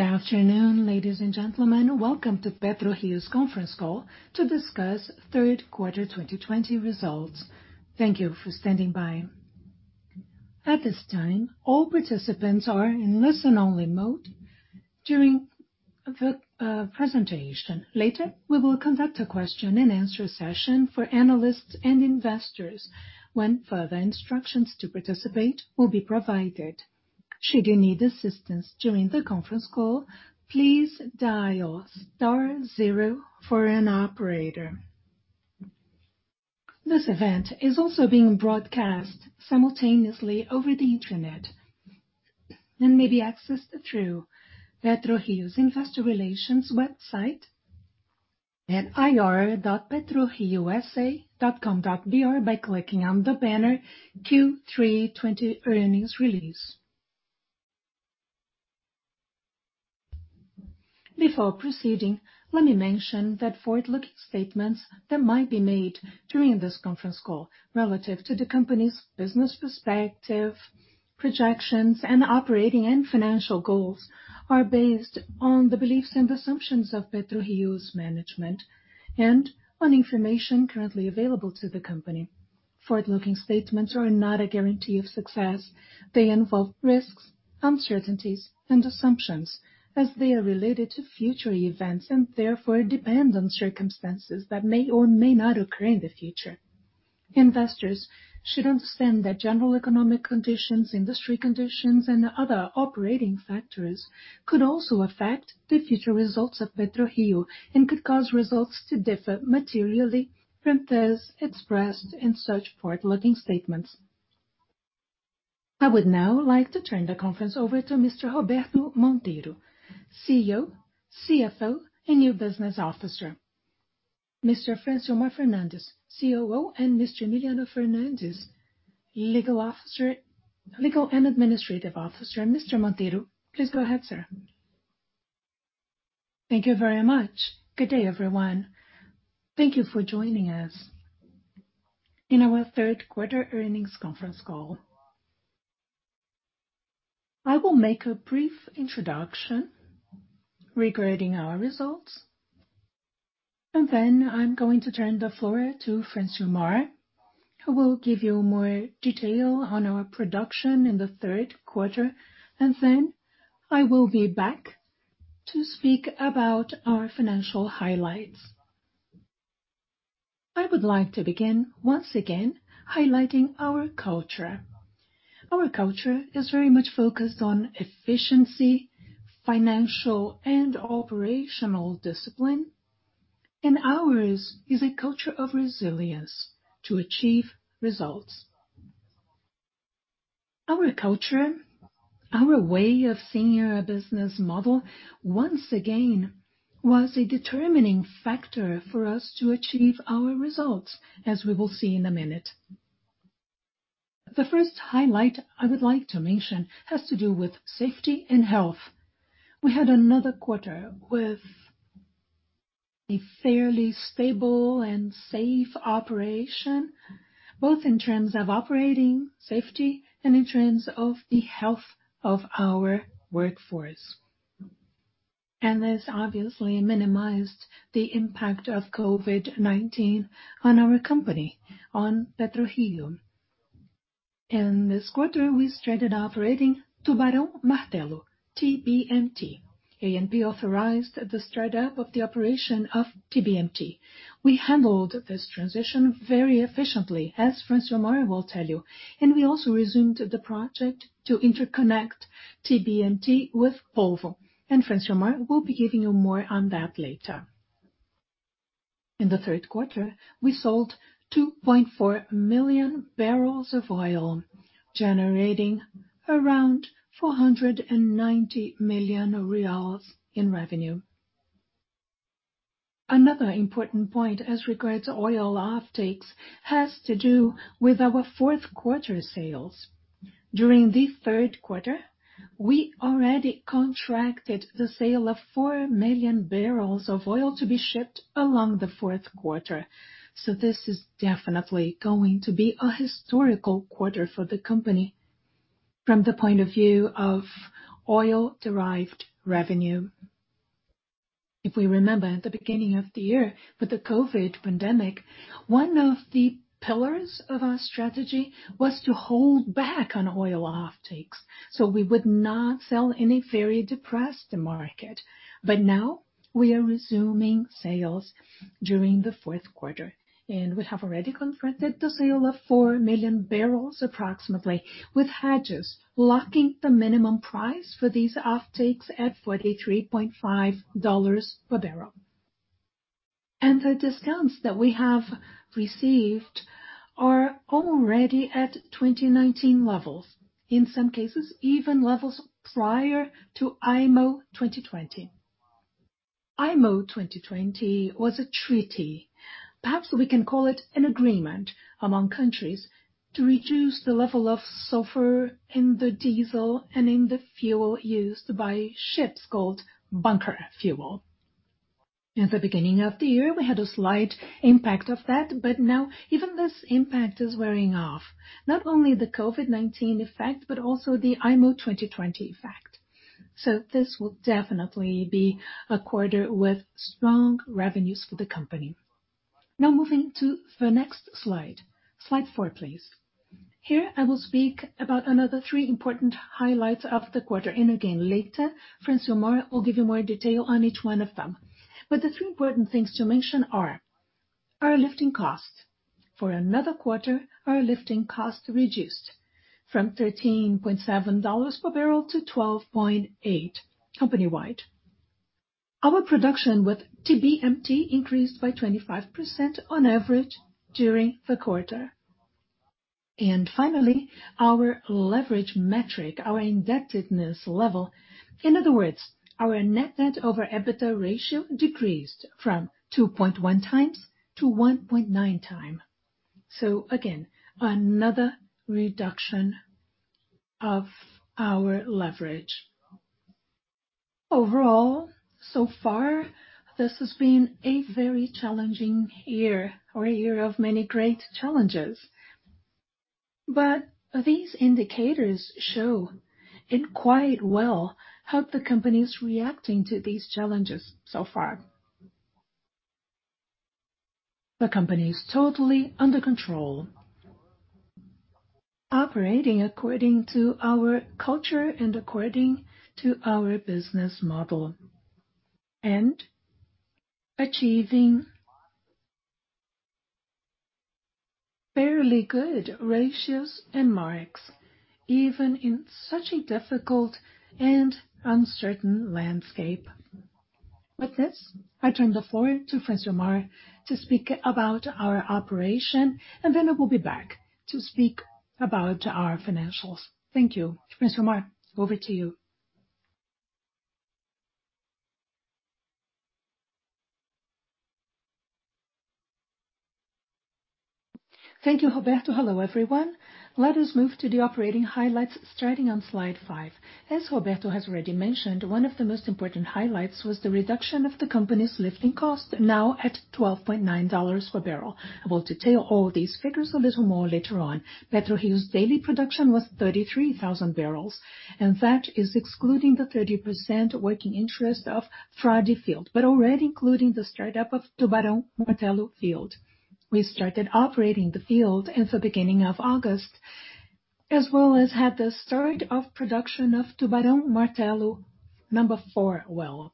Good afternoon, ladies and gentlemen. Welcome to PetroRio's conference call to discuss third quarter 2020 results. Thank you for standing by. At this time, all participants are in listen-only mode during the presentation. Later, we will conduct a question-and-answer session for analysts and investors when further instructions to participate will be provided. Should you need assistance during the conference call, please dial star zero for an operator. This event is also being broadcast simultaneously over the internet and may be accessed through PetroRio's investor relations website at ri.prio3.com.br by clicking on the banner Q3 2020 earnings release. Before proceeding, let me mention that forward-looking statements that might be made during this conference call relative to the company's business perspective, projections, and operating and financial goals are based on the beliefs and assumptions of PetroRio's management and on information currently available to the company. Forward-looking statements are not a guarantee of success. They involve risks, uncertainties, and assumptions as they are related to future events and therefore depend on circumstances that may or may not occur in the future. Investors should understand that general economic conditions, industry conditions, and other operating factors could also affect the future results of PetroRio and could cause results to differ materially from those expressed in such forward-looking statements. I would now like to turn the conference over to Mr. Roberto Monteiro, CEO, CFO, and New Business Officer, Mr. Francimar Fernandes, COO, and Mr. Emiliano Fernandes, Legal and Administrative Officer. Mr. Monteiro, please go ahead, sir. Thank you very much. Good day, everyone. Thank you for joining us in our third quarter earnings conference call. I will make a brief introduction regarding our results, and then I'm going to turn the floor to Francimar, who will give you more detail on our production in the third quarter. I will be back to speak about our financial highlights. I would like to begin, once again, highlighting our culture. Our culture is very much focused on efficiency, financial, and operational discipline, and ours is a culture of resilience to achieve results. Our culture, our way of seeing our business model, once again, was a determining factor for us to achieve our results, as we will see in a minute. The first highlight I would like to mention has to do with safety and health. We had another quarter with a fairly stable and safe operation, both in terms of operating safety and in terms of the health of our workforce. This obviously minimized the impact of COVID-19 on our company, on PetroRio. In this quarter, we started operating Tubarão Martelo, TBMT, and we authorized the start up of the operation of TBMT. We handled this transition very efficiently, as Francimar will tell you, and we also resumed the project to interconnect TBMT with Polvo, and Francimar will be giving you more on that later. In the third quarter, we sold 2.4 million barrels of oil, generating around BRL 490 million in revenue. Another important point as regards oil offtakes has to do with our fourth quarter sales. During the third quarter, we already contracted the sale of 4 million barrels of oil to be shipped along the fourth quarter. This is definitely going to be a historical quarter for the company from the point of view of oil-derived revenue. We remember at the beginning of the year with the COVID-19 pandemic, one of the pillars of our strategy was to hold back on oil offtakes we would not sell in a very depressed market. Now we are resuming sales during the fourth quarter, we have already contracted the sale of 4 million barrels approximately with hedges locking the minimum price for these offtakes at $43.5 per barrel. The discounts that we have received are already at 2019 levels, in some cases even levels prior to IMO 2020. IMO 2020 was a treaty, perhaps we can call it an agreement among countries to reduce the level of sulfur in the diesel and in the fuel used by ships called bunker fuel. At the beginning of the year, we had a slight impact of that, now even this impact is wearing off. Not only the COVID-19 effect, but also the IMO 2020 effect. This will definitely be a quarter with strong revenues for the company. Now moving to the next slide. Slide four, please. Here I will speak about another three important highlights of the quarter, again, later, Francimar will give you more detail on each one of them. The three important things to mention are our lifting costs. For another quarter, our lifting costs reduced from $13.7 per barrel to $12.8 company-wide. Our production with TBMT increased by 25% on average during the quarter. Finally, our leverage metric, our indebtedness level. In other words, our net debt over EBITDA ratio decreased from 2.1x to 1.9x. Again, another reduction of our leverage. Overall, so far, this has been a very challenging year or a year of many great challenges. These indicators show it quite well how the company is reacting to these challenges so far. The company is totally under control, operating according to our culture and according to our business model and achieving fairly good ratios and marks even in such a difficult and uncertain landscape. With this, I turn the floor to Francimar to speak about our operation. I will be back to speak about our financials. Thank you. Francimar, over to you. Thank you, Roberto. Hello, everyone. Let us move to the operating highlights starting on slide five. As Roberto has already mentioned, one of the most important highlights was the reduction of the company's lifting cost, now at $12.90 per barrel. I will detail all these figures a little more later on. PetroRio's daily production was 33,000 barrels, and that is excluding the 30% working interest of Frade field, but already including the start-up of Tubarão Martelo Field. We started operating the field in the beginning of August, as well as had the start of production of Tubarão Martelo number four well,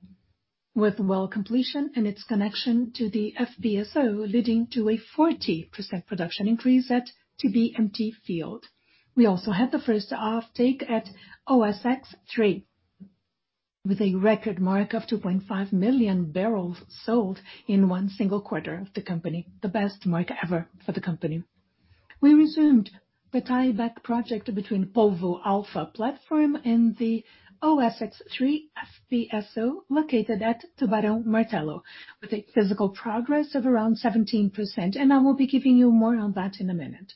with well completion and its connection to the FPSO, leading to a 40% production increase at TBMT Field. We also had the first offtake at OSX-3, with a record mark of 2.5 million barrels sold in one single quarter of the company, the best mark ever for the company. We resumed the tie-back project between Polvo-A platform and the OSX-3 FPSO located at Tubarão Martelo, with a physical progress of around 17%, and I will be giving you more on that in a minute.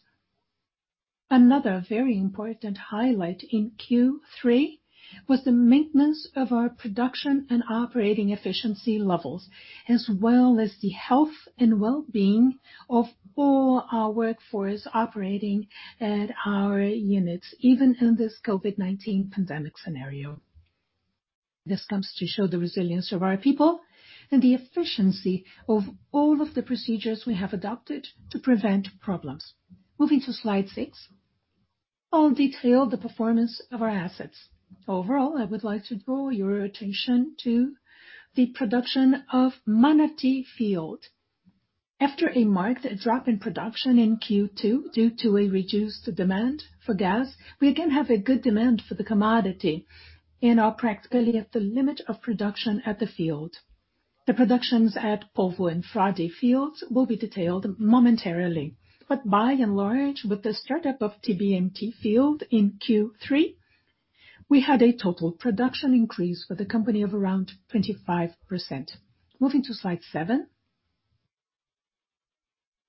Another very important highlight in Q3 was the maintenance of our production and operating efficiency levels, as well as the health and well-being of all our workforce operating at our units, even in this COVID-19 pandemic scenario. This comes to show the resilience of our people and the efficiency of all of the procedures we have adopted to prevent problems. Moving to slide six, I'll detail the performance of our assets. Overall, I would like to draw your attention to the production of Manati Field. After a marked drop in production in Q2 due to a reduced demand for gas, we again have a good demand for the commodity and are practically at the limit of production at the field. The productions at Polvo and Frade fields will be detailed momentarily. By and large, with the start-up of TBMT Field in Q3, we had a total production increase for the company of around 25%. Moving to slide seven,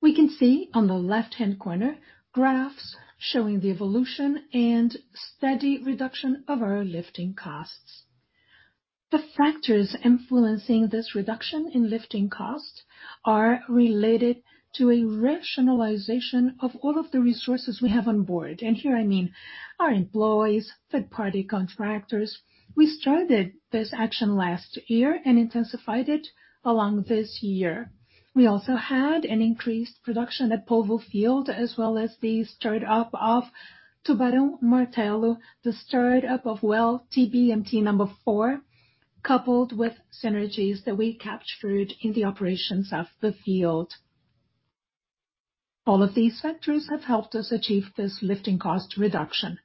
we can see on the left-hand corner graphs showing the evolution and steady reduction of our lifting costs. The factors influencing this reduction in lifting costs are related to a rationalization of all of the resources we have on board. Here I mean our employees, third-party contractors. We started this action last year and intensified it along this year. We also had an increased production at Polvo Field, as well as the start-up of Tubarão Martelo, the start-up of well TBMT number four, coupled with synergies that we captured in the operations of the field. All of these factors have helped us achieve this lifting cost reduction.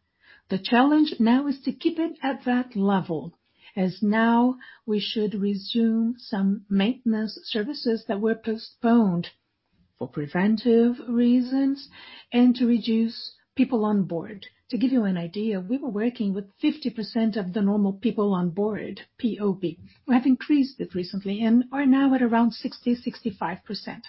The challenge now is to keep it at that level, as now we should resume some maintenance services that were postponed for preventive reasons and to reduce people on board. To give you an idea, we were working with 50% of the normal people on board, POB. We have increased it recently and are now at around 60%, 65%.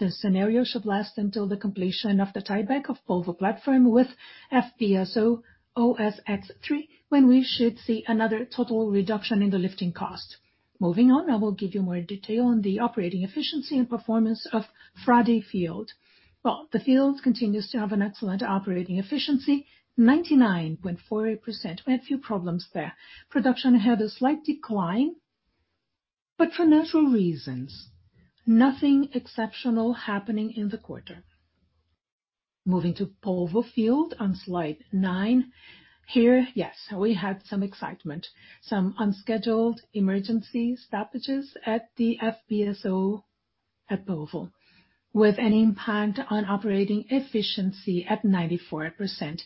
The scenario should last until the completion of the tie-back of Polvo Platform with FPSO OSX-3, when we should see another total reduction in the lifting cost. Moving on, I will give you more detail on the operating efficiency and performance of Frade Field. Well, the field continues to have an excellent operating efficiency, 99.48%. We had a few problems there. Production had a slight decline, but for natural reasons, nothing exceptional happening in the quarter. Moving to Polvo Field on slide nine. Here, yes, we had some excitement, some unscheduled emergency stoppages at the FPSO at Polvo, with an impact on operating efficiency at 94%.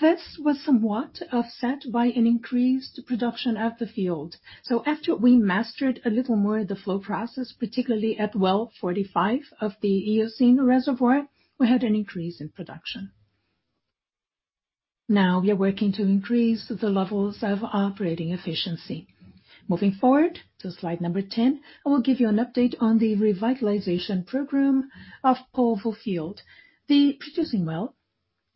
This was somewhat offset by an increased production at the field. After we mastered a little more the flow process, particularly at well 45 of the Eocene reservoir, we had an increase in production. Now we are working to increase the levels of operating efficiency. Moving forward to slide number 10, I will give you an update on the revitalization program of Polvo Field. The producing well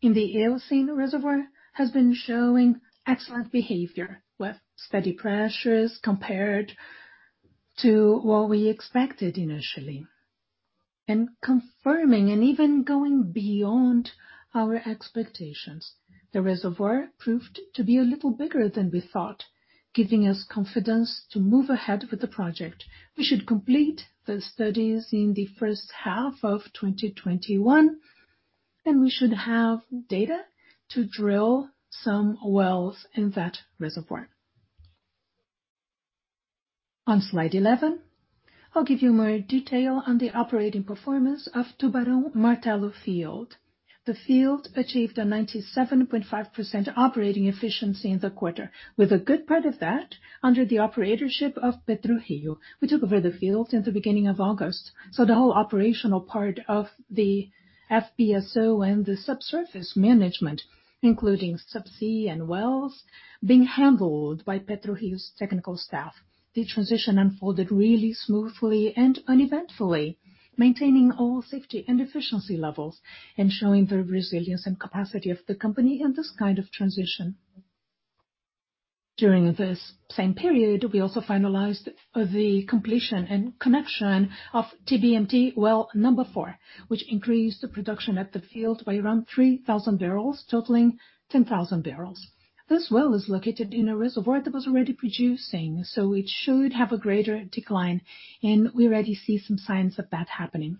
in the Eocene reservoir has been showing excellent behavior, with steady pressures compared to what we expected initially. Confirming and even going beyond our expectations. The reservoir proved to be a little bigger than we thought, giving us confidence to move ahead with the project. We should complete the studies in the first half of 2021. We should have data to drill some wells in that reservoir. On slide 11, I'll give you more detail on the operating performance of Tubarão Martelo Field. The field achieved a 97.5% operating efficiency in the quarter, with a good part of that under the operatorship of PetroRio. We took over the field since the beginning of August. The whole operational part of the FPSO and the subsurface management, including subsea and wells, being handled by PetroRio's technical staff. The transition unfolded really smoothly and uneventfully, maintaining all safety and efficiency levels and showing the resilience and capacity of the company in this kind of transition. During this same period, we also finalized the completion and connection of TBMT well number four, which increased the production at the field by around 3,000 barrels, totaling 10,000 barrels. This well is located in a reservoir that was already producing, so it should have a greater decline, and we already see some signs of that happening.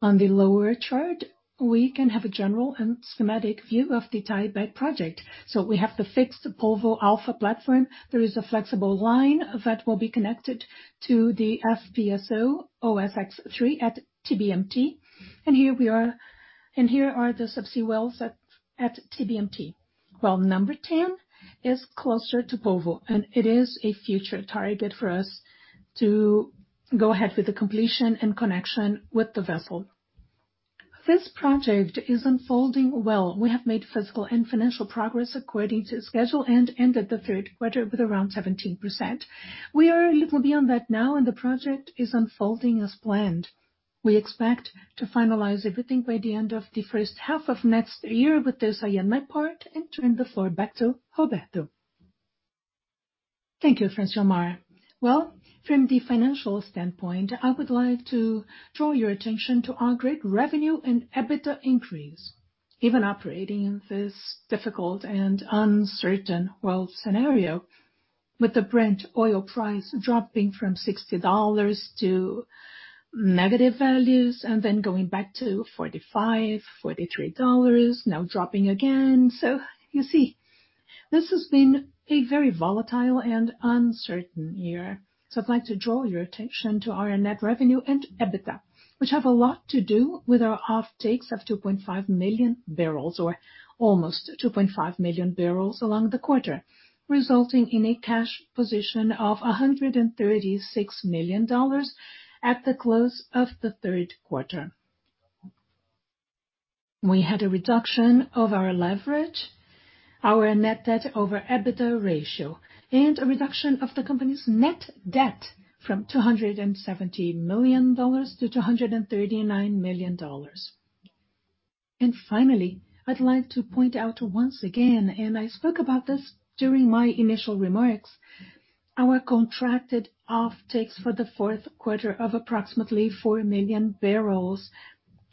On the lower chart, we can have a general and schematic view of the tie-back project. We have the fixed Polvo-A platform. There is a flexible line that will be connected to the FPSO OSX-3 at TBMT. Here are the subsea wells at TBMT. Well number 10 is closer to Polvo, and it is a future target for us to go ahead with the completion and connection with the vessel. This project is unfolding well. We have made physical and financial progress according to schedule and ended the third quarter with around 17%. We are a little beyond that now, and the project is unfolding as planned. We expect to finalize everything by the end of the first half of next year. With this, I end my part and turn the floor back to Roberto. Thank you, Francimar. Well, from the financial standpoint, I would like to draw your attention to our great revenue and EBITDA increase. Even operating in this difficult and uncertain world scenario, with the Brent oil price dropping from $60 to negative values and then going back to $45, $43, now dropping again. You see, this has been a very volatile and uncertain year. I'd like to draw your attention to our net revenue and EBITDA, which have a lot to do with our offtakes of 2.5 million barrels, or almost 2.5 million barrels along the quarter, resulting in a cash position of $136 million at the close of the third quarter. We had a reduction of our leverage, our net debt over EBITDA ratio, and a reduction of the company's net debt from $270 million to $239 million. Finally, I'd like to point out once again, and I spoke about this during my initial remarks, our contracted offtakes for the fourth quarter of approximately four million barrels,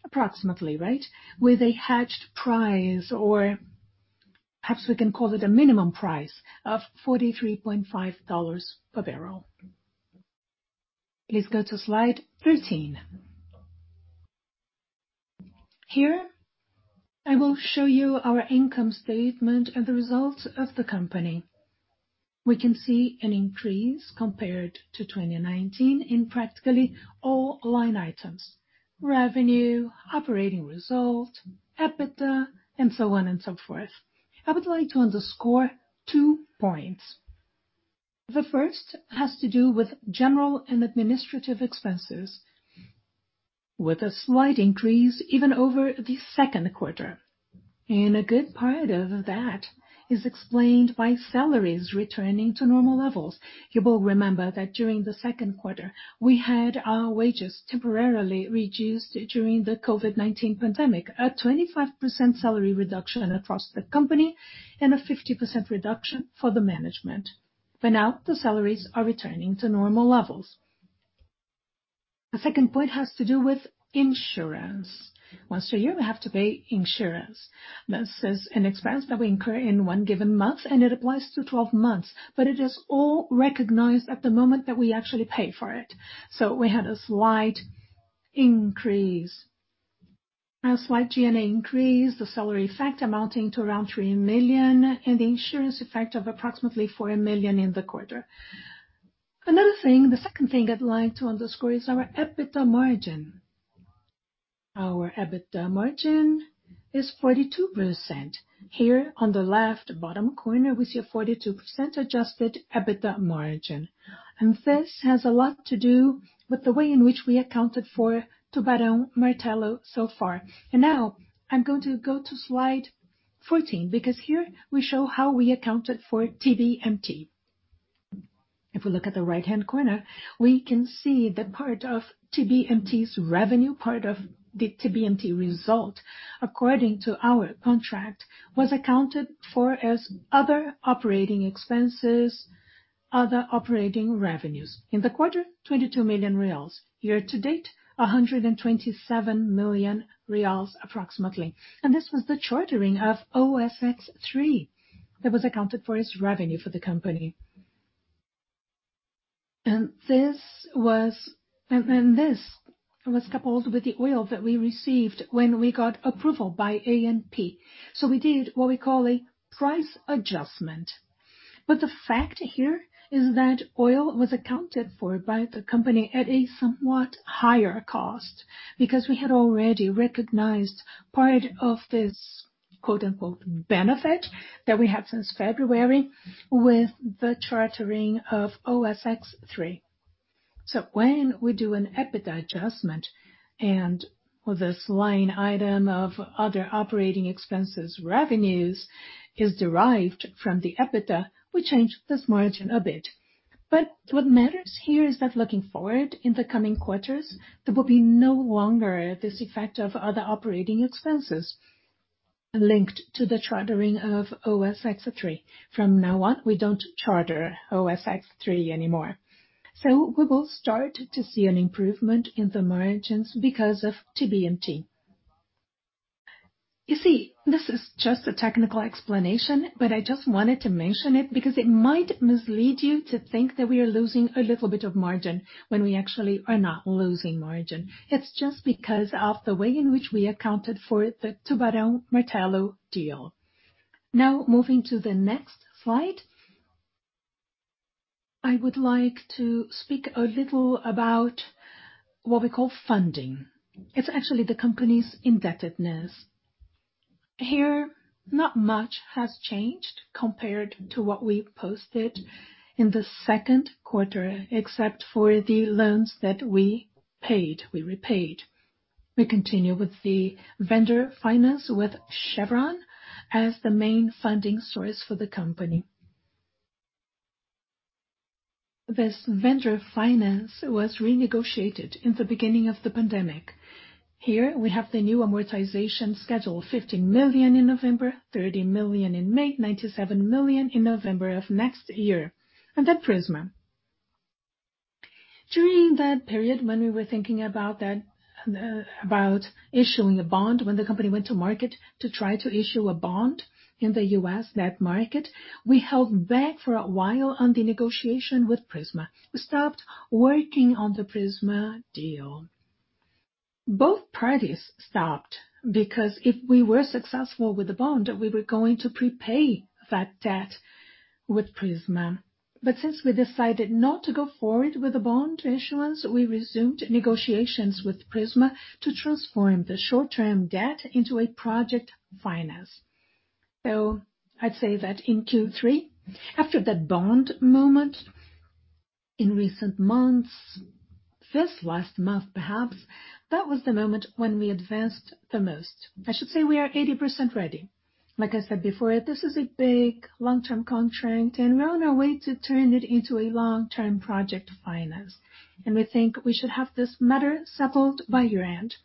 approximately, right, with a hedged price, or perhaps we can call it a minimum price, of $43.50 per barrel. Please go to slide 13. Here, I will show you our income statement and the results of the company. We can see an increase compared to 2019 in practically all line items: revenue, operating result, EBITDA, and so on and so forth. I would like to underscore two points. The first has to do with general and administrative expenses. With a slight increase even over the second quarter. A good part of that is explained by salaries returning to normal levels. You will remember that during the second quarter, we had our wages temporarily reduced during the COVID-19 pandemic. A 25% salary reduction across the company, and a 50% reduction for the management. Now the salaries are returning to normal levels. The second point has to do with insurance. Once a year, we have to pay insurance. This is an expense that we incur in one given month, and it applies to 12 months, but it is all recognized at the moment that we actually pay for it. We had a slight increase. A slight G&A increase, the salary effect amounting to around 3 million, and the insurance effect of approximately 4 million in the quarter. The second thing I'd like to underscore is our EBITDA margin. Our EBITDA margin is 42%. Here on the left bottom corner, we see a 42% adjusted EBITDA margin. This has a lot to do with the way in which we accounted for Tubarão Martelo so far. Now I'm going to go to slide 14, because here we show how we accounted for TBMT. If we look at the right-hand corner, we can see the part of TBMT's revenue, part of the TBMT result, according to our contract, was accounted for as other operating expenses, other operating revenues. In the quarter, 22 million reais. Year to date, 127 million reais approximately. This was the chartering of OSX-3 that was accounted for as revenue for the company. This was coupled with the oil that we received when we got approval by ANP. We did what we call a price adjustment. The fact here is that oil was accounted for by the company at a somewhat higher cost, because we had already recognized part of this, quote-unquote, "benefit" that we had since February with the chartering of OSX-3. When we do an EBITDA adjustment and this line item of other operating expenses revenues is derived from the EBITDA, we change this margin a bit. What matters here is that looking forward in the coming quarters, there will be no longer this effect of other operating expenses linked to the chartering of OSX-3. From now on, we don't charter OSX-3 anymore. We will start to see an improvement in the margins because of TBMT. You see, this is just a technical explanation, but I just wanted to mention it because it might mislead you to think that we are losing a little bit of margin when we actually are not losing margin. It's just because of the way in which we accounted for the Tubarão Martelo deal. Moving to the next slide. I would like to speak a little about what we call funding. It's actually the company's indebtedness. Not much has changed compared to what we posted in the second quarter, except for the loans that we repaid. We continue with the vendor finance with Chevron as the main funding source for the company. This vendor finance was renegotiated in the beginning of the pandemic. We have the new amortization schedule, 15 million in November, 30 million in May, 97 million in November of next year. Prisma. During that period when we were thinking about issuing a bond, when the company went to market to try to issue a bond in the U.S. debt market, we held back for a while on the negotiation with Prisma. We stopped working on the Prisma deal. Both parties stopped, because if we were successful with the bond, we were going to prepay that debt with Prisma. Since we decided not to go forward with the bond issuance, we resumed negotiations with Prisma to transform the short-term debt into a project finance. I'd say that in Q3, after that bond moment in recent months, this last month perhaps, that was the moment when we advanced the most. I should say we are 80% ready. Like I said before, this is a big long-term contract, we're on our way to turn it into a long-term project finance. We think we should have this matter settled by year-end.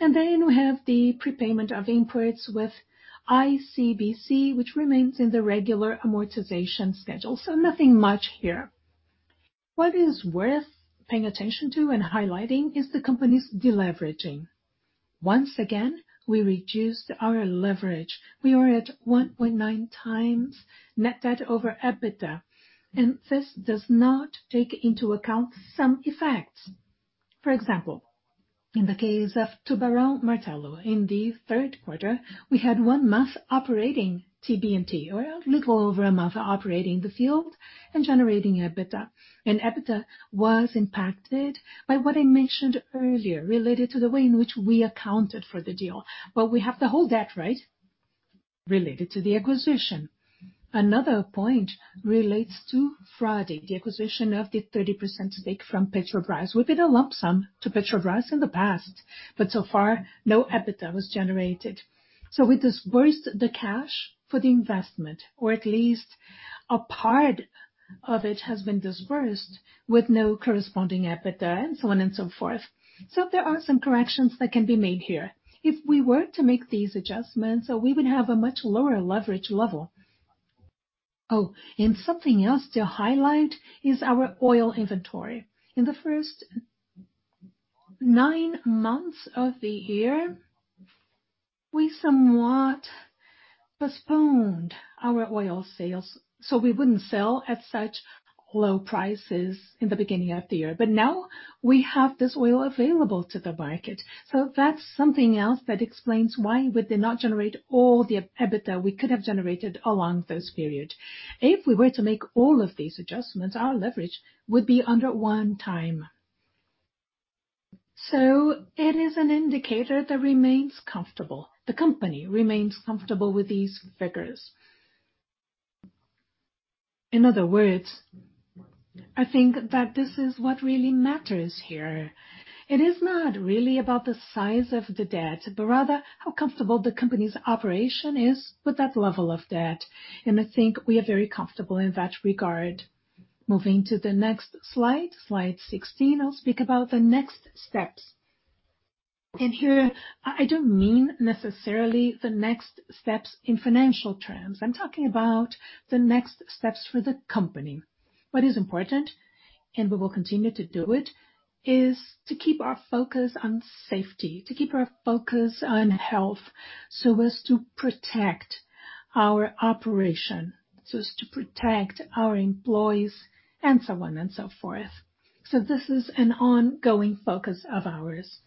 We have the prepayment of imports with ICBC, which remains in the regular amortization schedule. Nothing much here. What is worth paying attention to and highlighting is the company's deleveraging. Once again, we reduced our leverage. We are at 1.9x net debt over EBITDA, this does not take into account some effects. For example, in the case of Tubarão Martelo, in the third quarter, we had one month operating TBMT oil, a little over a month operating the field and generating EBITDA. EBITDA was impacted by what I mentioned earlier related to the way in which we accounted for the deal. We have the whole debt, right? Related to the acquisition. Another point relates to Frade, the acquisition of the 30% stake from Petrobras. We paid a lump sum to Petrobras in the past, but so far, no EBITDA was generated. We disbursed the cash for the investment, or at least a part of it has been disbursed with no corresponding EBITDA, and so on and so forth. There are some corrections that can be made here. If we were to make these adjustments, we would have a much lower leverage level. Something else to highlight is our oil inventory. In the first nine months of the year, we somewhat postponed our oil sales, so we wouldn't sell at such low prices in the beginning of the year. Now we have this oil available to the market, that's something else that explains why we did not generate all the EBITDA we could have generated along this period. If we were to make all of these adjustments, our leverage would be under one time. It is an indicator that remains comfortable. The company remains comfortable with these figures. In other words, I think that this is what really matters here. It is not really about the size of the debt, but rather how comfortable the company's operation is with that level of debt. I think we are very comfortable in that regard. Moving to the next slide 16, I'll speak about the next steps. Here, I don't mean necessarily the next steps in financial terms. I'm talking about the next steps for the company. What is important, and we will continue to do it, is to keep our focus on safety, to keep our focus on health so as to protect our operation, so as to protect our employees, and so on and so forth. This is an ongoing focus of ours.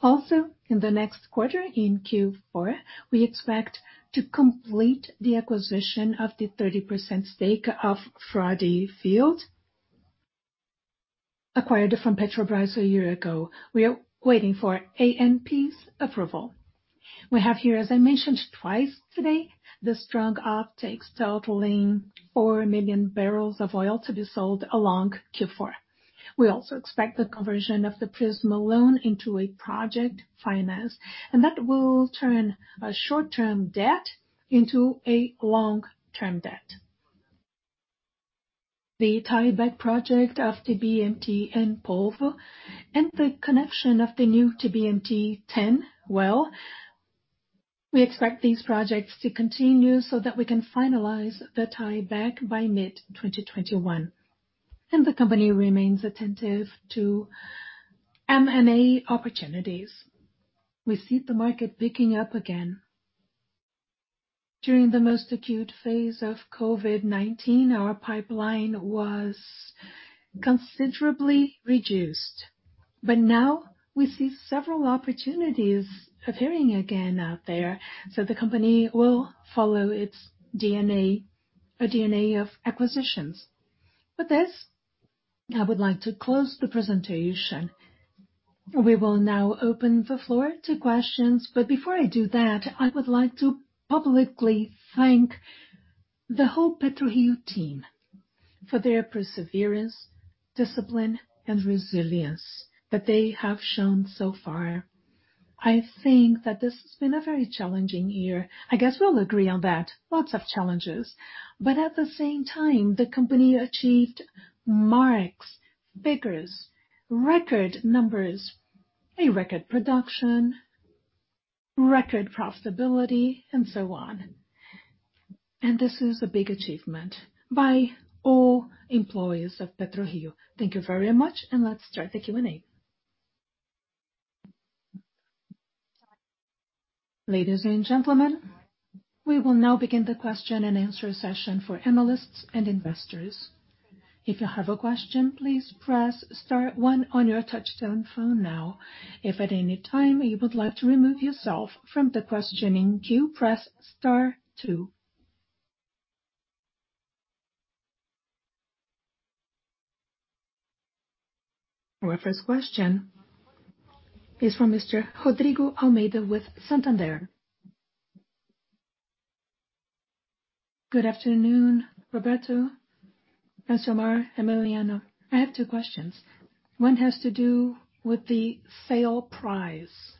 Also, in the next quarter, in Q4, we expect to complete the acquisition of the 30% stake of Frade field, acquired from Petrobras a year ago. We are waiting for ANP's approval. We have here, as I mentioned twice today, the strong offtakes totaling 4 million barrels of oil to be sold along Q4. We also expect the conversion of the Prisma loan into a project finance, and that will turn a short-term debt into a long-term debt. The tie-back project of TBMT and Polvo and the connection of the new TBMT-10 well. We expect these projects to continue so that we can finalize the tie-back by mid-2021. The company remains attentive to M&A opportunities. We see the market picking up again. During the most acute phase of COVID-19, our pipeline was considerably reduced. Now we see several opportunities appearing again out there, the company will follow its DNA, a DNA of acquisitions. With this, I would like to close the presentation. We will now open the floor to questions. Before I do that, I would like to publicly thank the whole PetroRio team for their perseverance, discipline, and resilience that they have shown so far. I think that this has been a very challenging year. I guess we'll agree on that. Lots of challenges. At the same time, the company achieved marks, figures, record numbers, a record production, record profitability, and so on. This is a big achievement by all employees of PetroRio. Thank you very much, and let's start the Q&A. Ladies and gentlemen we will now begin the question and answer session for analysts and investors. If you have a question please press star one on your touchtone phone now. If at any time you'd like to remove yourself from the questioning queue press star two. Our first question is from Mr. Rodrigo Almeida with Santander. Good afternoon, Roberto, Francimar, Emiliano. I have two questions. One has to do with the sale price.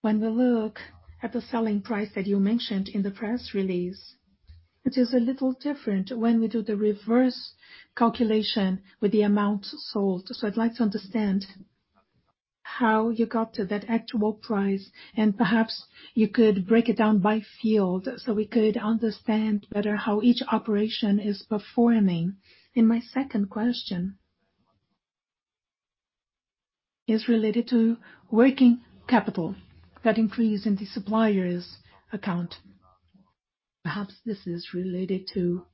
When we look at the selling price that you mentioned in the press release, it is a little different when we do the reverse calculation with the amount sold. I'd like to understand how you got to that actual price, and perhaps you could break it down by field so we could understand better how each operation is performing. My second question is related to working capital, that increase in the suppliers' account. Perhaps this is related to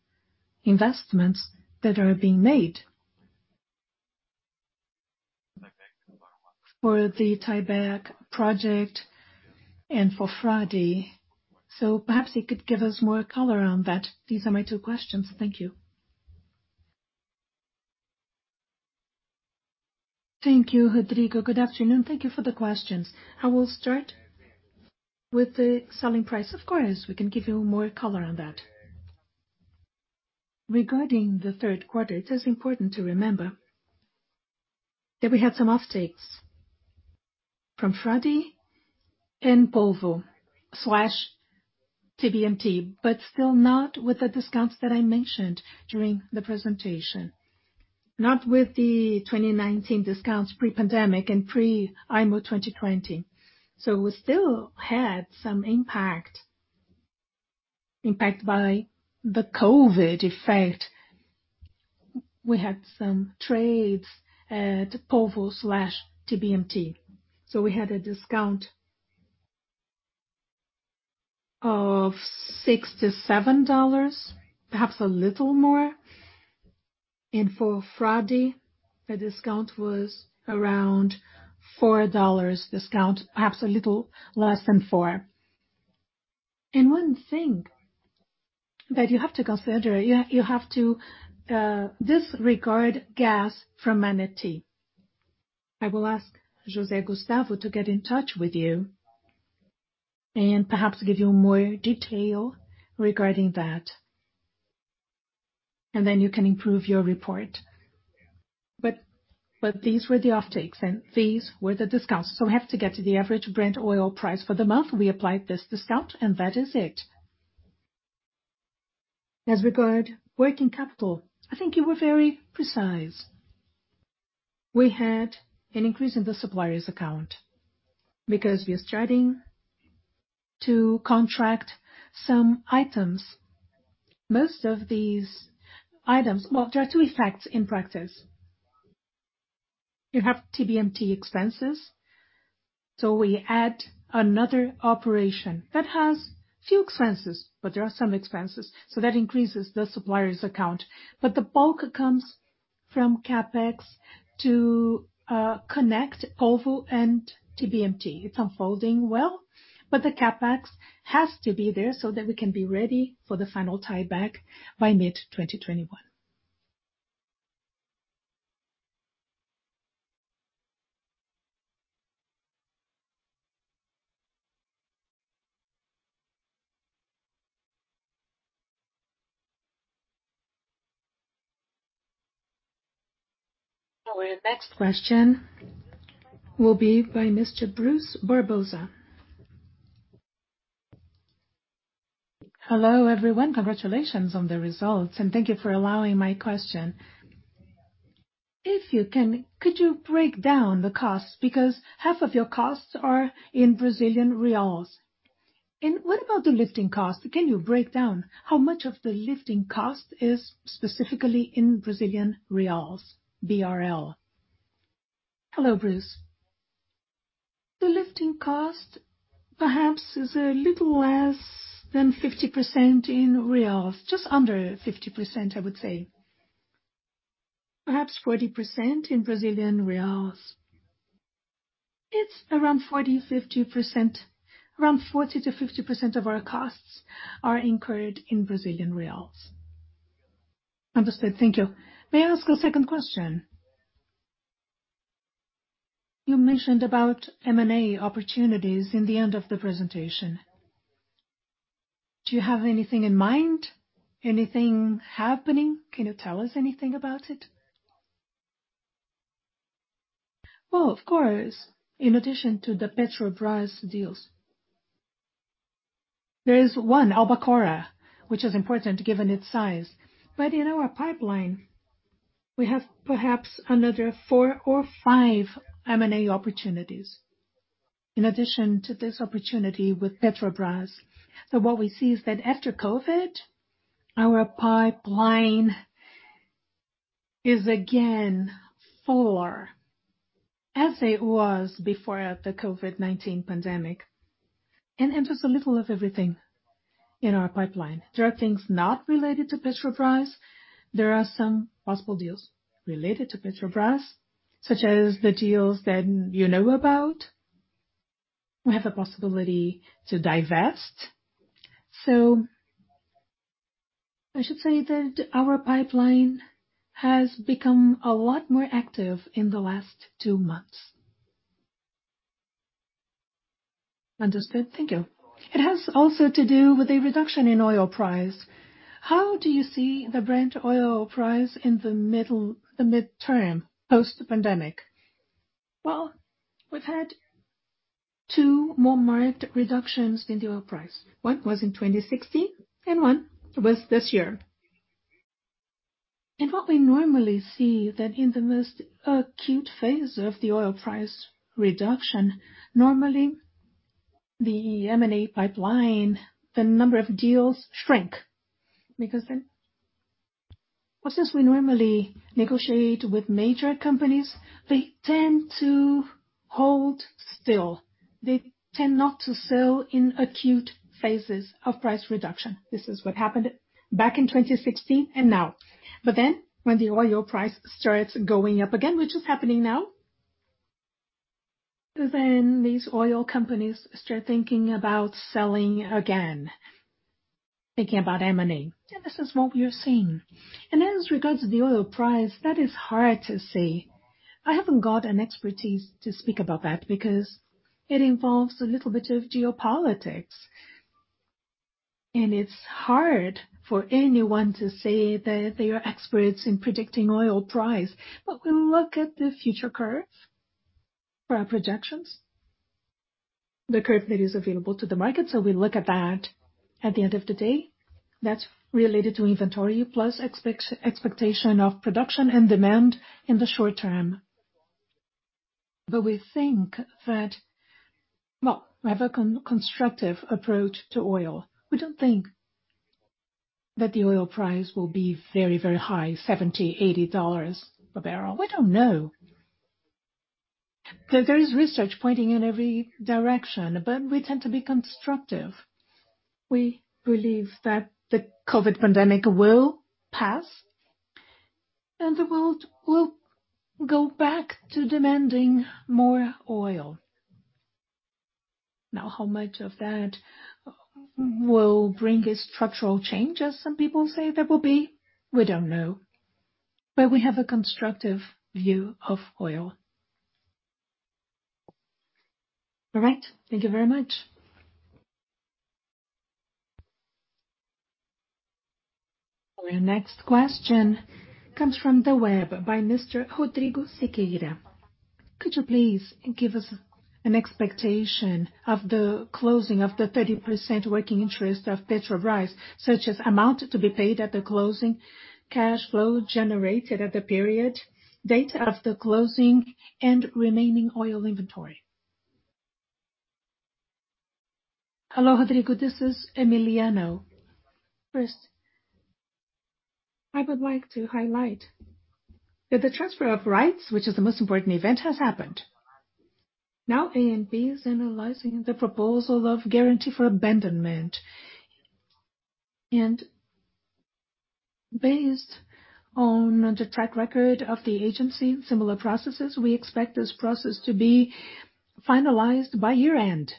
investments that are being made for the tie-back project and for Frade. Perhaps you could give us more color on that. These are my two questions. Thank you. Thank you, Rodrigo. Good afternoon. Thank you for the questions. I will start with the selling price. Of course, we can give you more color on that. Regarding the third quarter, it is important to remember that we had some offtakes from Frade and Polvo/TBMT, but still not with the discounts that I mentioned during the presentation, not with the 2019 discounts, pre-pandemic and pre-IMO 2020. We still had some impact by the COVID-19 effect. We had some trades at Polvo/TBMT, we had a discount of $67, perhaps a little more. For Frade, the discount was around $4 discount, perhaps a little less than four. One thing that you have to consider, you have to disregard gas from Manati. I will ask Jose Gustavo to get in touch with you and perhaps give you more detail regarding that, you can improve your report. These were the offtakes and these were the discounts. We have to get to the average Brent oil price for the month. We applied this discount, that is it. As regard working capital, I think you were very precise. We had an increase in the suppliers account because we are starting to contract some items. Well, there are two effects in practice. You have TBMT expenses, so we add another operation that has few expenses, but there are some expenses, so that increases the suppliers account. The bulk comes from CapEx to connect Polvo and TBMT. It's unfolding well, but the CapEx has to be there so that we can be ready for the final tie-back by mid 2021. Our next question will be by Mr. Bruce Barbosa. Hello, everyone. Congratulations on the results, and thank you for allowing my question. Could you break down the costs because half of your costs are in Brazilian reals? What about the lifting cost? Can you break down how much of the lifting cost is specifically in Brazilian reals, BRL? Hello, Bruce. The lifting cost perhaps is a little less than 50% in BRL. Just under 50%, I would say. Perhaps 40% in BRL. It's around 40%-50%. Around 40%-50% of our costs are incurred in BRL. Understood. Thank you. May I ask a second question? You mentioned about M&A opportunities in the end of the presentation. Do you have anything in mind? Anything happening? Can you tell us anything about it? Well, of course, in addition to the Petrobras deals, there is one Albacora, which is important given its size. In our pipeline, we have perhaps another four or five M&A opportunities in addition to this opportunity with Petrobras. What we see is that after COVID, our pipeline is again full as it was before the COVID-19 pandemic. There's a little of everything in our pipeline. There are things not related to Petrobras. There are some possible deals related to Petrobras, such as the deals that you know about. We have a possibility to divest. I should say that our pipeline has become a lot more active in the last two months. Understood. Thank you. It has also to do with a reduction in oil price. How do you see the Brent oil price in the midterm post the pandemic? Well, we've had two more marked reductions in the oil price. One was in 2016 and one was this year. What we normally see that in the most acute phase of the oil price reduction, normally the M&A pipeline, the number of deals shrink. Well, since we normally negotiate with major companies, they tend to hold still. They tend not to sell in acute phases of price reduction. This is what happened back in 2016 and now. When the oil price starts going up again, which is happening now. Then these oil companies start thinking about selling again, thinking about M&A. This is what we are seeing. As regards to the oil price, that is hard to say. I haven't got an expertise to speak about that because it involves a little bit of geopolitics, and it's hard for anyone to say that they are experts in predicting oil price. We look at the future curves for our projections, the curve that is available to the market. We look at that. At the end of the day, that's related to inventory plus expectation of production and demand in the short term. We think that, well, we have a constructive approach to oil. We don't think that the oil price will be very, very high, $70, $80 a barrel. We don't know. There is research pointing in every direction, but we tend to be constructive. We believe that the COVID pandemic will pass, and the world will go back to demanding more oil. How much of that will bring a structural change as some people say there will be? We don't know. We have a constructive view of oil. All right. Thank you very much. Our next question comes from the web by Mr. Rodrigo Siqueira. Could you please give us an expectation of the closing of the 30% working interest of Petrobras, such as amount to be paid at the closing, cash flow generated at the period, date of the closing, and remaining oil inventory? Hello, Rodrigo, this is Emiliano. First, I would like to highlight that the transfer of rights, which is the most important event, has happened. ANP is analyzing the proposal of guarantee for abandonment. Based on the track record of the agency's similar processes, we expect this process to be finalized by year-end,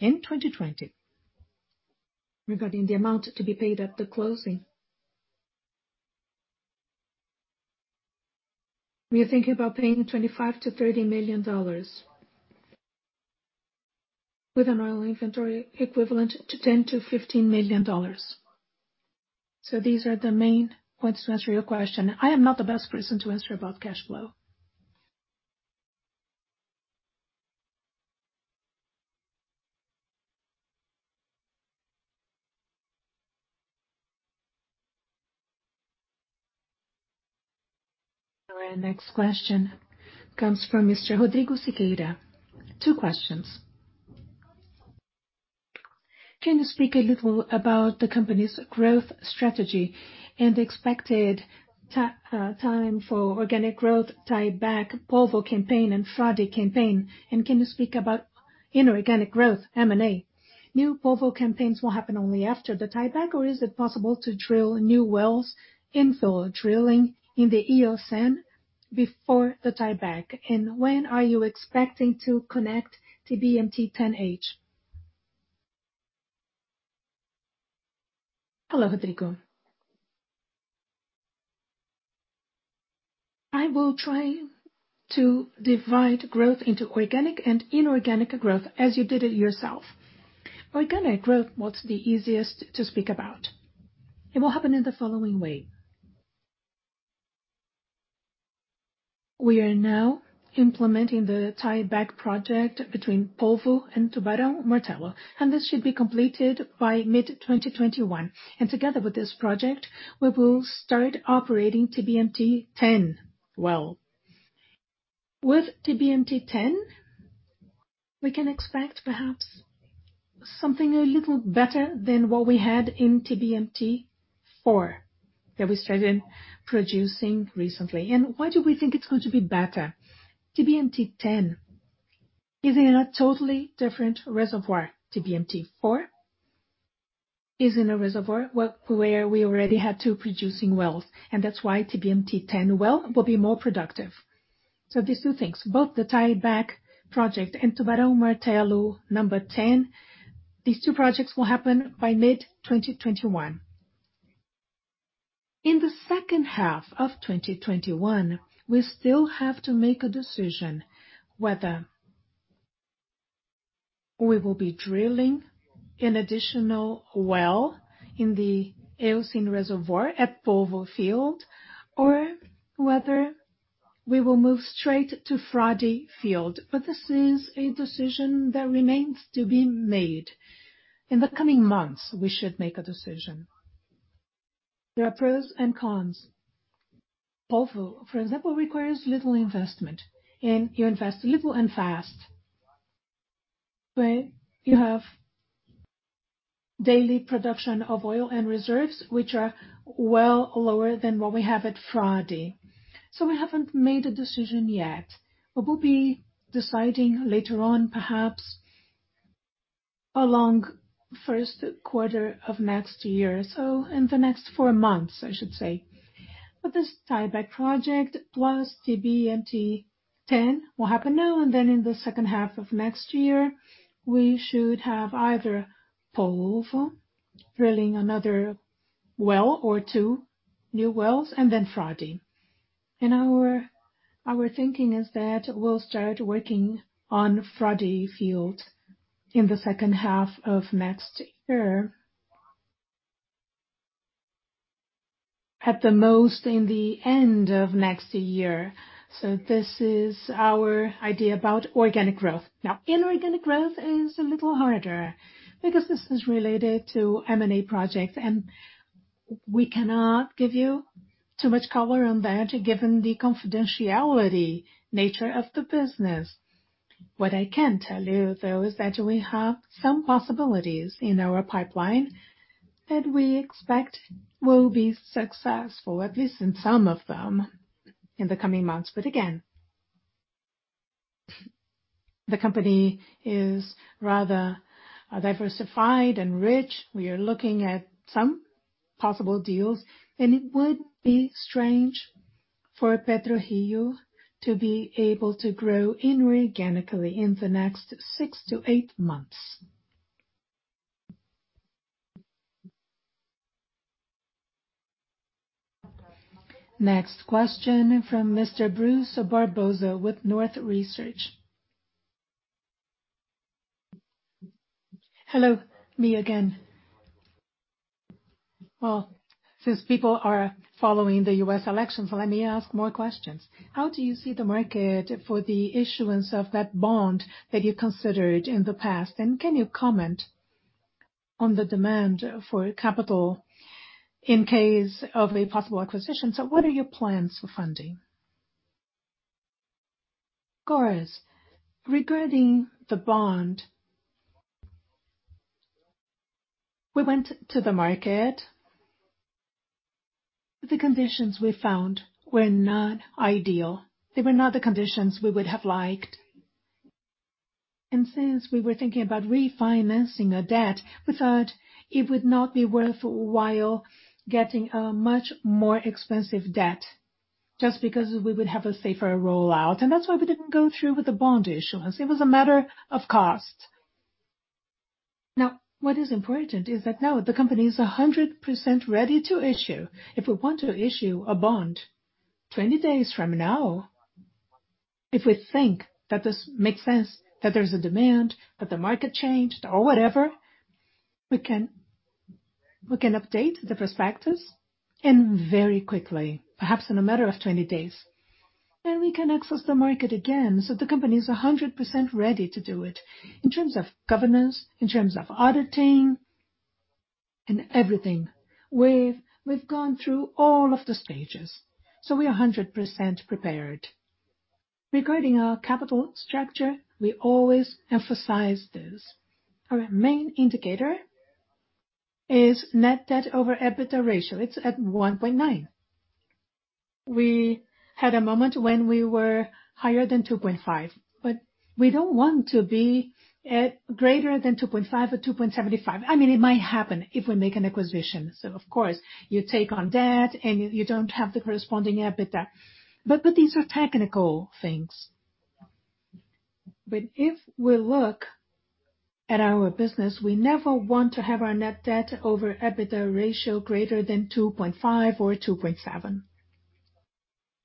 in 2020. Regarding the amount to be paid at the closing, we are thinking about paying $25 million-$30 million, with an oil inventory equivalent to $10 million-$15 million. These are the main points to answer your question. I am not the best person to answer about cash flow. Our next question comes from Mr. Rodrigo Siqueira. Two questions. Can you speak a little about the company's growth strategy and expected time for organic growth, tieback, Polvo campaign, and Frade campaign? Can you speak about inorganic growth, M&A? New Polvo campaigns will happen only after the tieback, or is it possible to drill new wells, infill drilling in the Eocene before the tieback? When are you expecting to connect TBMT-10H? Hello, Rodrigo. I will try to divide growth into organic and inorganic growth as you did it yourself. Organic growth, what's the easiest to speak about. It will happen in the following way. We are now implementing the tieback project between Polvo and Tubarão Martelo, and this should be completed by mid-2021. Together with this project, we will start operating TBMT-10 well. With TBMT-10, we can expect perhaps something a little better than what we had in TBMT-4 that we started producing recently. Why do we think it's going to be better? TBMT-10 is in a totally different reservoir. TBMT-4 is in a reservoir where we already had two producing wells, and that's why TBMT-10 well will be more productive. These two things, both the tieback project and Tubarão Martelo number 10, these two projects will happen by mid-2021. In the second half of 2021, we still have to make a decision whether we will be drilling an additional well in the Eocene reservoir at Polvo field, or whether we will move straight to Frade field. This is a decision that remains to be made. In the coming months, we should make a decision. There are pros and cons. Polvo, for example, requires little investment, and you invest little and fast. You have daily production of oil and reserves, which are well lower than what we have at Frade. We haven't made a decision yet. We'll be deciding later on perhaps along first quarter of next year. In the next four months, I should say. This tie-back project plus TBMT 10 will happen now, and then in the second half of next year, we should have either Polvo drilling another well or two new wells, and then Frade. Our thinking is that we'll start working on Frade field in the second half of next year. At the most, in the end of next year. This is our idea about organic growth. Inorganic growth is a little harder because this is related to M&A projects, and we cannot give you too much color on that, given the confidentiality nature of the business. What I can tell you, though, is that we have some possibilities in our pipeline that we expect will be successful, at least in some of them in the coming months. Again, the company is rather diversified and rich. We are looking at some possible deals. It would be strange for PetroRio to be able to grow inorganically in the next six to eight months. Next question from Mr. Bruce Barbosa with Nord Research. Hello. Me again. Since people are following the U.S. elections, let me ask more questions. How do you see the market for the issuance of that bond that you considered in the past? Can you comment on the demand for capital in case of a possible acquisition? What are your plans for funding? Of course, regarding the bond, we went to the market. The conditions we found were not ideal. They were not the conditions we would have liked. Since we were thinking about refinancing a debt, we thought it would not be worthwhile getting a much more expensive debt just because we would have a safer rollout. That's why we didn't go through with the bond issuance. It was a matter of cost. What is important is that now the company is 100% ready to issue. If we want to issue a bond 20 days from now, if we think that this makes sense, that there's a demand, that the market changed or whatever, we can update the prospectus very quickly, perhaps in a matter of 20 days, we can access the market again. The company is 100% ready to do it in terms of governance, in terms of auditing and everything. We've gone through all of the stages, we are 100% prepared. Regarding our capital structure, we always emphasize this. Our main indicator is net debt over EBITDA ratio. It's at 1.9. We had a moment when we were higher than 2.5, but we don't want to be at greater than 2.5 or 2.75. It might happen if we make an acquisition. Of course, you take on debt and you don't have the corresponding EBITDA. These are technical things. If we look at our business, we never want to have our net debt over EBITDA ratio greater than 2.5 or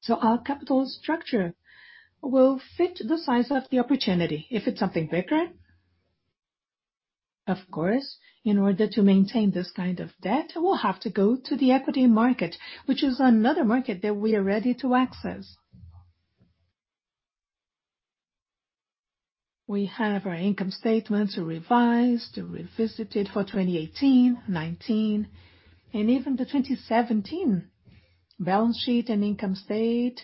2.7. Our capital structure will fit the size of the opportunity. If it's something bigger, of course, in order to maintain this kind of debt, we'll have to go to the equity market, which is another market that we are ready to access. We have our income statements revised, revisited for 2018, 2019, and even the 2017 balance sheet and income state.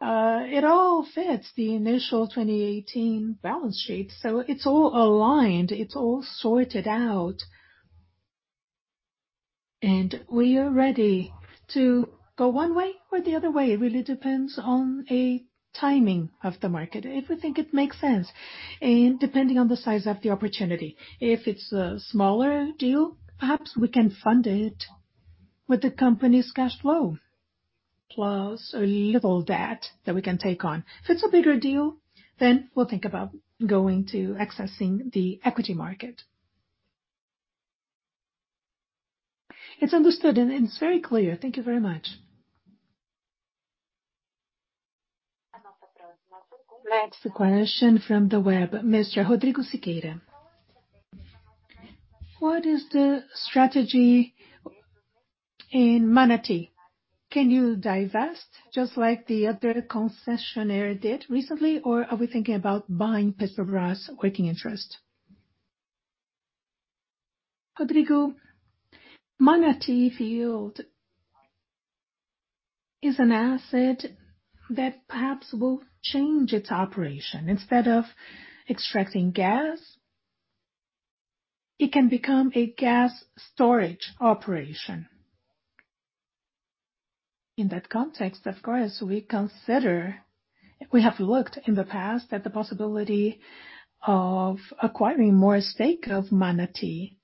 It all fits the initial 2018 balance sheet. It's all aligned, it's all sorted out, and we are ready to go one way or the other way. It really depends on a timing of the market. If we think it makes sense and depending on the size of the opportunity. If it's a smaller deal, perhaps we can fund it with the company's cash flow, plus a little debt that we can take on. If it's a bigger deal, then we'll think about going to accessing the equity market. It's understood. It's very clear. Thank you very much. Next question from the web, Mr. Rodrigo Siqueira. What is the strategy in Manati? Can you divest just like the other concessionaire did recently, or are we thinking about buying Petrobras working interest? Rodrigo, Manati field is an asset that perhaps will change its operation. Instead of extracting gas, it can become a gas storage operation. In that context, of course, we have looked in the past at the possibility of acquiring more stake of Manati.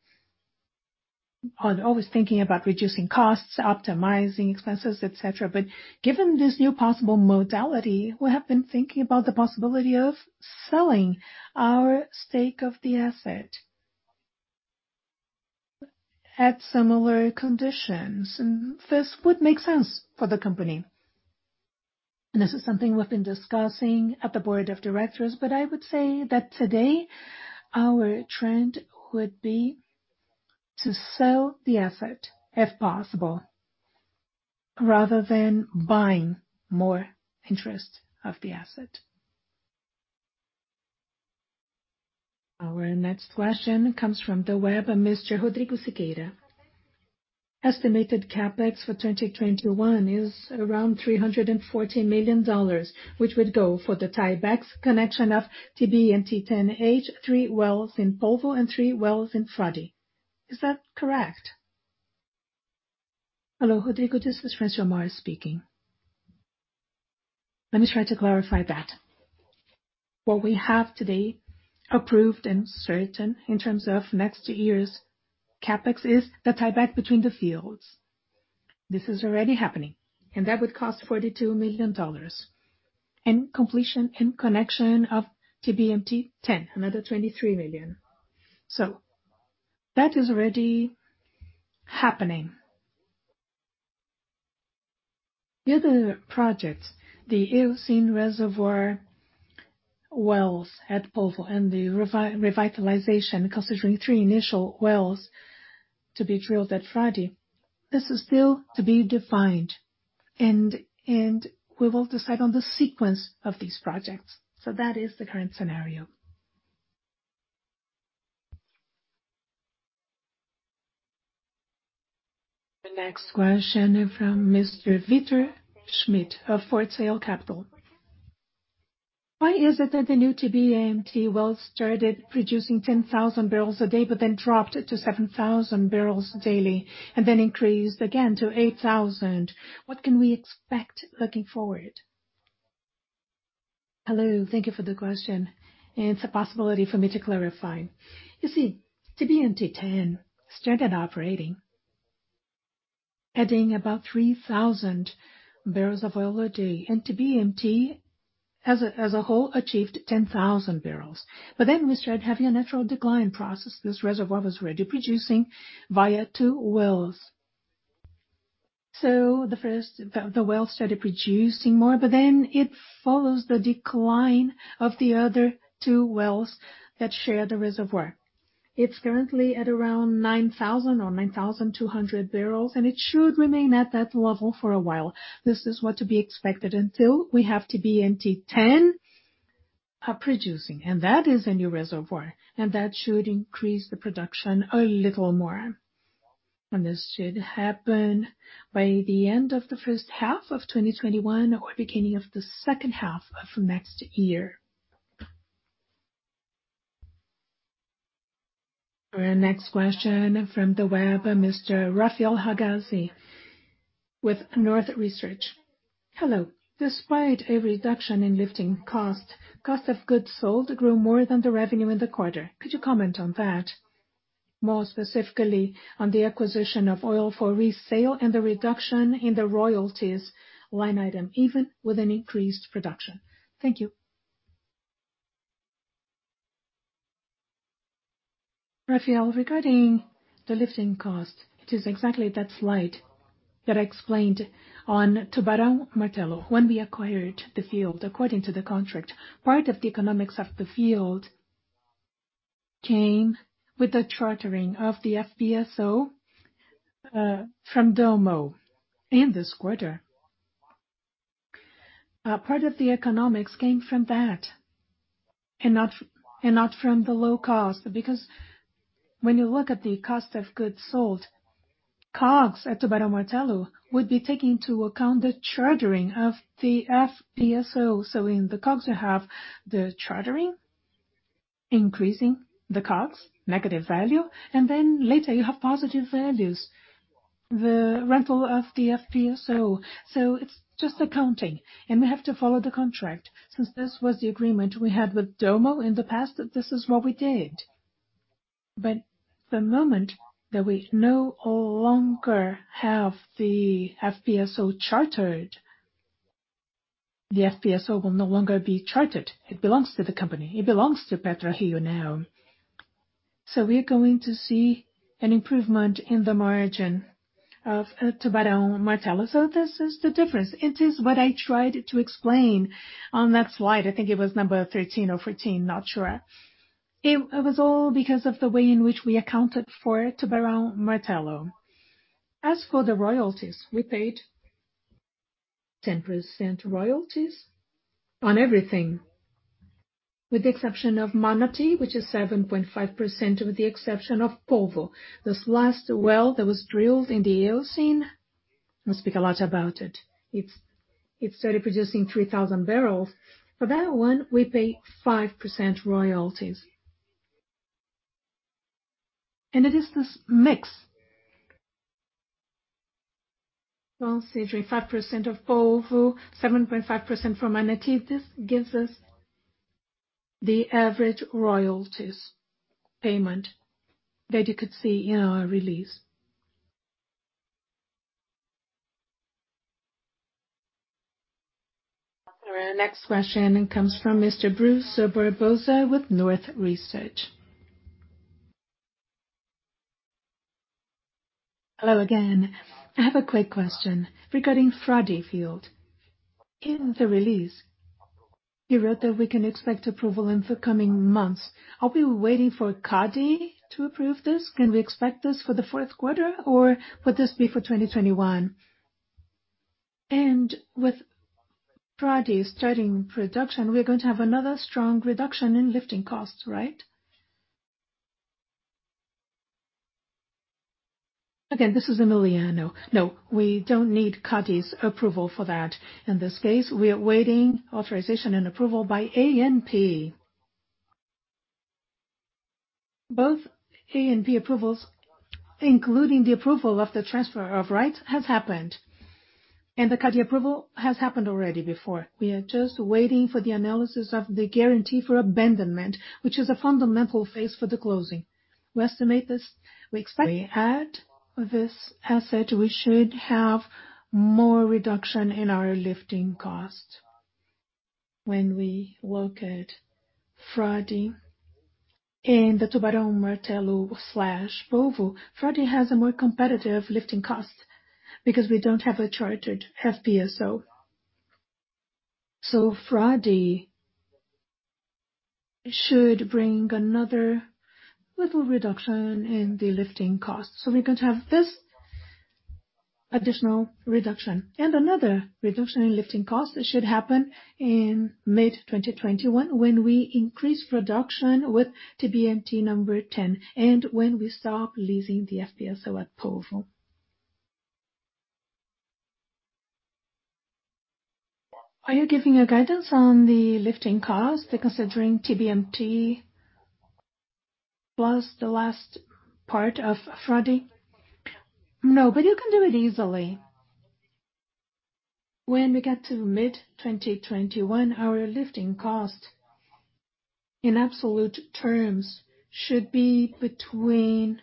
We are always thinking about reducing costs, optimizing expenses, et cetera. Given this new possible modality, we have been thinking about the possibility of selling our stake of the asset at similar conditions. This would make sense for the company. This is something we've been discussing at the board of directors. I would say that today our trend would be to sell the asset, if possible, rather than buying more interest of the asset. Our next question comes from the web, Mr. Rodrigo Siqueira. Estimated CapEx for 2021 is around $340 million, which would go for the tiebacks connection of TBMT-10H, three wells in Polvo and three wells in Frade. Is that correct? Hello, Rodrigo, this is Francimar Fernandes speaking. Let me try to clarify that. What we have today approved and certain in terms of next year's CapEx is the tie-back between the fields. This is already happening, that would cost $42 million, and completion and connection of TBMT-10, another $23 million. That is already happening. The other project, the Eocene reservoir wells at Polvo and the revitalization, considering three initial wells to be drilled at Frade, this is still to be defined, and we will decide on the sequence of these projects. That is the current scenario. The next question is from Mr. Vitor Schmidt of. [inaudible] Why is it that the new TBMT well started producing 10,000 barrels a day then dropped to 7,000 barrels daily then increased again to 8,000? What can we expect looking forward? Hello. Thank you for the question, and it's a possibility for me to clarify. You see, TBMT-10H started operating adding about 3,000 barrels of oil a day, TBMT as a whole achieved 10,000 barrels. We started having a natural decline process. This reservoir was already producing via two wells. The well started producing more, it follows the decline of the other two wells that share the reservoir. It's currently at around 9,000 or 9,200 barrels, it should remain at that level for a while. This is what to be expected until we have TBMT-10H producing, that is a new reservoir, that should increase the production a little more. This should happen by the end of the first half of 2021 or beginning of the second half of next year. Our next question from the web, Mr. Rafael Ragazi with Nord Research. Hello. Despite a reduction in lifting cost of goods sold grew more than the revenue in the quarter. Could you comment on that? More specifically on the acquisition of oil for resale and the reduction in the royalties line item, even with an increased production. Thank you. Rafael, regarding the lifting cost, it is exactly that slide that I explained on Tubarão Martelo when we acquired the field. According to the contract, part of the economics of the field came with the chartering of the FPSO from Dommo in this quarter. Part of the economics came from that and not from the low cost because when you look at the cost of goods sold, COGS at Tubarão Martelo would be taking into account the chartering of the FPSO. In the COGS, you have the chartering increasing the COGS negative value, and then later you have positive values, the rental of the FPSO. It's just accounting, and we have to follow the contract. Since this was the agreement we had with Dommo in the past, this is what we did. The moment that we no longer have the FPSO chartered, the FPSO will no longer be chartered. It belongs to the company. It belongs to PetroRio now. We're going to see an improvement in the margin of Tubarão Martelo. This is the difference. It is what I tried to explain on that slide. I think it was number 13 or 14, not sure. It was all because of the way in which we accounted for Tubarão Martelo. As for the royalties, we paid 10% royalties on everything with the exception of Manati, which is 7.5%, with the exception of Polvo. This last well that was drilled in the Eocene, don't speak a lot about it. It started producing 3,000 barrels. For that one, we pay 5% royalties. It is this mix. Well, let's see, 35% of Polvo, 7.5% from Manati. This gives us the average royalties payment that you could see in our release. Our next question comes from Mr. Bruce Barbosa with Nord Research. Hello again. I have a quick question regarding Frade field. In the release, you wrote that we can expect approval in the coming months. Are we waiting for CADE to approve this? Can we expect this for the fourth quarter, or would this be for 2021? With Frade starting production, we're going to have another strong reduction in lifting costs, right? Again, this is Emiliano. No, we don't need CADE's approval for that. In this case, we are waiting authorization and approval by ANP. Both ANP approvals, including the approval of the transfer of rights, has happened. The CADE approval has happened already before. We are just waiting for the analysis of the guarantee for abandonment, which is a fundamental phase for the closing. We expect when we add this asset, we should have more reduction in our lifting cost. When we look at Frade and the Tubarão Martelo/Polvo, Frade has a more competitive lifting cost because we don't have a chartered FPSO. Frade should bring another little reduction in the lifting cost. We're going to have this additional reduction. Another reduction in lifting cost should happen in mid-2021 when we increase production with TBMT number 10, and when we stop leasing the FPSO at Polvo. Are you giving a guidance on the lifting cost, considering Tubarão Martelo plus the last part of Frade? No, but you can do it easily. When we get to mid-2021, our lifting cost in absolute terms should be between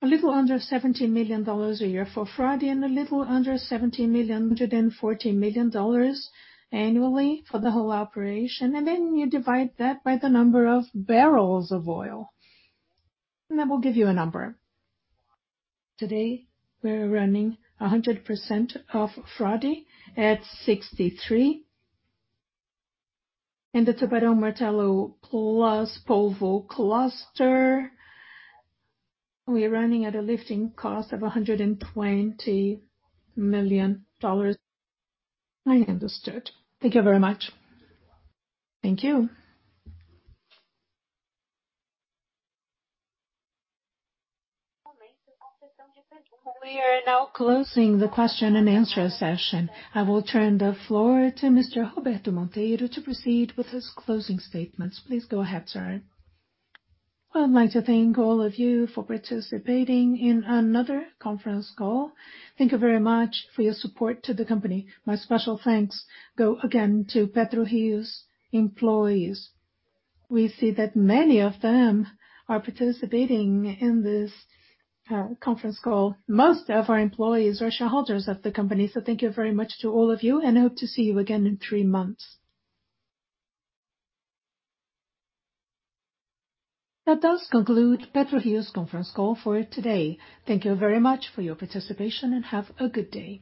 a little under $17 million a year for Frade and a little under $114 million annually for the whole operation. You divide that by the number of barrels of oil. That will give you a number. Today, we're running 100% of Frade at 63. In the Tubarão Martelo plus Polvo cluster, we're running at a lifting cost of $120 million. I understood. Thank you very much. Thank you. We are now closing the question-and-answer session. I will turn the floor to Mr. Roberto Monteiro to proceed with his closing statements. Please go ahead, sir. Well, I'd like to thank all of you for participating in another conference call. Thank you very much for your support to the company. My special thanks go again to PetroRio's employees. We see that many of them are participating in this conference call. Most of our employees are shareholders of the company, so thank you very much to all of you, and hope to see you again in three months. That does conclude PetroRio's conference call for today. Thank you very much for your participation, and have a good day.